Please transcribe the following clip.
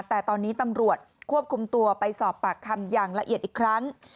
แต่ตอนนี้ตำรวจควบคุมตัวไปสอบปากคำอย่างละเอียดอีกครั้ง